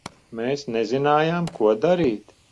Mēs nezinājām, ko darīt.